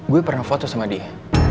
gue pernah foto sama dia